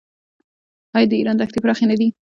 آیا د ایران دښتې پراخې نه دي؟